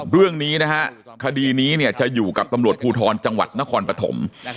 เรื่องนี้คดีนี้จะอยู่กับตำรวจภูทรภาคจังหวัดนครปฐม